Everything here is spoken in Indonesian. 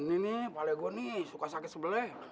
ini ini pala gue suka sakit sebelah